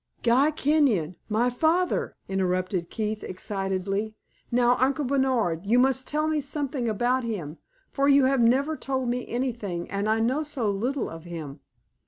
"Guy Kenyon my father!" interrupted Keith, excitedly. "Now, Uncle Bernard, you must tell me something about him; for you have never told me anything and I know so little of him."